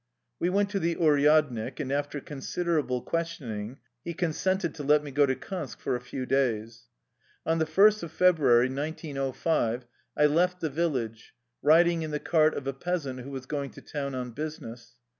We went to the uryadnik, and after consider able questioning he consented to let me go to Kansk for a few days. On the first of February, 1905, I left the vil lage, riding in the cart of a peasant who was going to town on business.